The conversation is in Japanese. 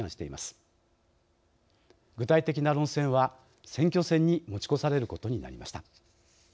具体的な論戦は選挙戦に持ち越されることになりました。